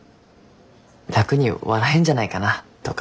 楽に笑えんじゃないかなとか。